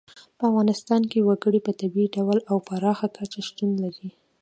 په افغانستان کې وګړي په طبیعي ډول او پراخه کچه شتون لري.